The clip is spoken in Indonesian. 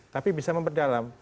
tapi bisa memperdalam